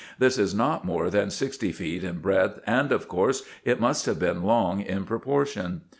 This is not more than sixty feet in breadth, and, of course, it must have been long in proportion.